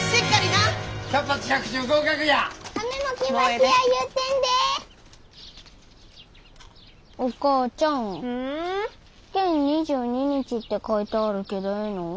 試験２２日って書いてあるけどええの？